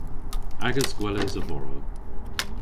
Agas gweles a-vorow.